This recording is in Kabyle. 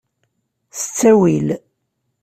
S ttawil.